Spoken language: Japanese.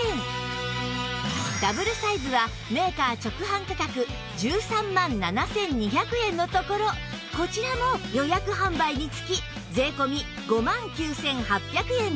ダブルサイズはメーカー直販価格１３万７２００円のところこちらも予約販売につき税込５万９８００円です